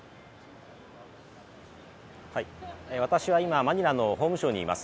私は今、マニラの法務省にいます。